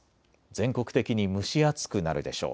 全国的に蒸し暑くなるでしょう。